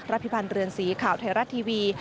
พิพันธ์เรือนสีข่าวไทยรัฐทีวี